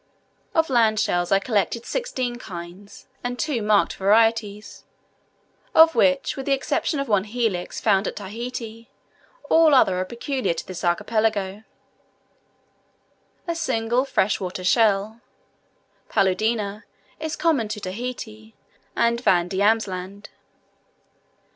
Of land shells I collected sixteen kinds (and two marked varieties), of which, with the exception of one Helix found at Tahiti, all are peculiar to this archipelago: a single fresh water shell (Paludina) is common to Tahiti and Van Diemen's Land.